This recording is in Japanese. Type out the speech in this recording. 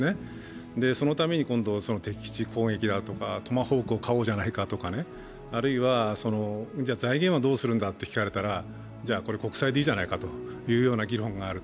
そのために敵地砲撃だとかトマホークを買おうじゃないかとか、あるいは財源はどうするんだと聞かれたら国債でいいじゃないかという意見がある。